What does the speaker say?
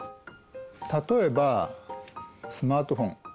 例えばスマートフォン。